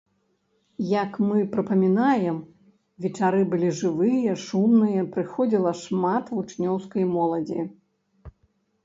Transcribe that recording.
Як мы прыпамінаем, вечары былі жывыя, шумныя, прыходзіла шмат вучнёўскай моладзі.